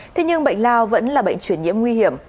thế nhưng bệnh lao vẫn là bệnh chuyển nhiễm nguy hiểm